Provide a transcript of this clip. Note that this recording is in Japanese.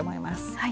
はい。